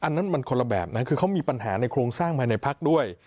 อันนั้นมันคนละแบบนะคือเขามีปัญหาในโครงสร้างภายในพักด้วย